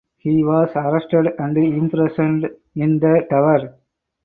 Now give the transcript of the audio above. He was arrested and imprisoned in the Tower.